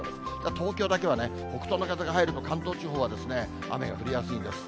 東京だけは、北東の風が入ると、関東地方は雨が降りやすいんです。